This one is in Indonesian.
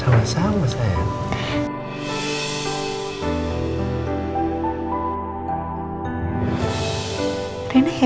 hamu hamu tetap sedih la